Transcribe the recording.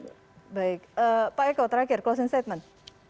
baik pak eko terakhir closing statement